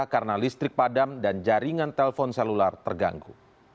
karena listrik padam dan jaringan telpon selular terganggu